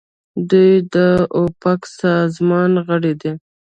دوی د اوپک سازمان غړي دي.